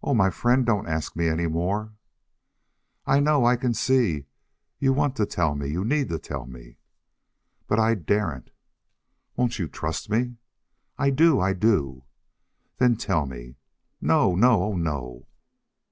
"Oh, my friend, don't ask me any more." "I know, I can see you want to tell me you need to tell." "But I daren't." "Won't you trust me?" "I do I do." "Then tell me." "No no oh no!"